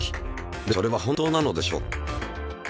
でもそれは本当なのでしょうか。